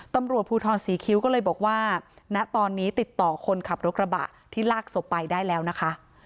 ตำรวจภูทรศรีคิ้วก็เลยบอกว่าณตอนนี้ติดต่อคนขับรถกระบะที่ลากศพไปได้แล้วนะคะ